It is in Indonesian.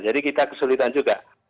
jadi kita kesulitan juga